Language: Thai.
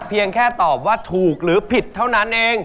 เพียงแค่ตอบว่าถูกหรือผิดเท่านั้นเอง